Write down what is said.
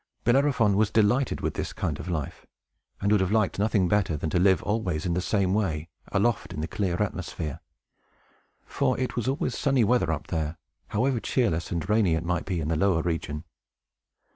Bellerophon was delighted with this kind of life, and would have liked nothing better than to live always in the same way, aloft in the clear atmosphere; for it was always sunny weather up there, however cheerless and rainy it might be in the lower region.